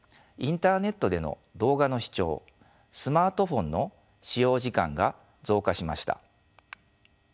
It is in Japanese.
インターネットでの動画の視聴スマートフォンの使用時間が増加しました。